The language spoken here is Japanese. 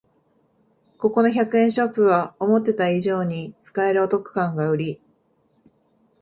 ここの百均ショップは思ってた以上に使えるお得感がウリ